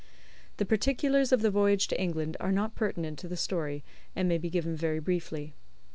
The particulars of the voyage to England are not pertinent to the story, and may be given very briefly.